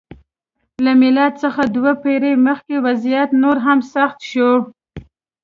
له میلاد څخه دوه پېړۍ مخکې وضعیت نور هم سخت شو.